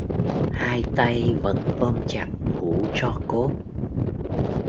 Hai tay vẫn ôm chặt hũ tro cốt